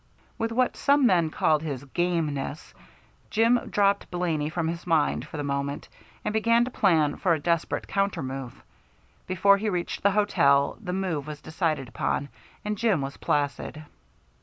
With what some men called his "gameness" Jim dropped Blaney from his mind for the moment, and began to plan for a desperate counter move. Before he reached the hotel the move was decided upon, and Jim was placid.